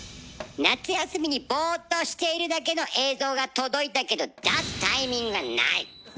夏休みにボーっとしているだけの映像が届いたけど出すタイミングがない。